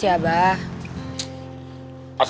ternyata dia bakal lebih ilfil boy